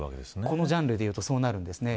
このジャンルでいうとそうなるんですね。